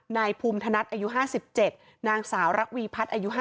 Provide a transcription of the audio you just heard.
นายภูมิธนัดอายุ๕๗นางสาวระวีพัฒน์อายุ๕๐